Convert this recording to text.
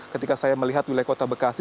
ketika saya melihat wilayah kota bekasi